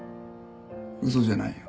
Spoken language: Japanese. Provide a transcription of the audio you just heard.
嘘じゃないよ。